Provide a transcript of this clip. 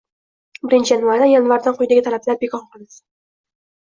Birinchi yanvardan yanvardan quyidagi talablar bekor qilinsin: